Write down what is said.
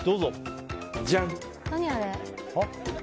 何あれ？